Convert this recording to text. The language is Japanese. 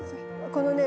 このね。